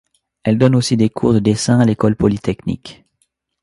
Il donne aussi des cours de dessin à l’École Polytechnique.